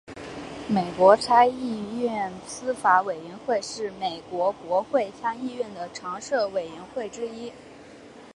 美国参议院司法委员会是美国国会参议院的常设委员会之一。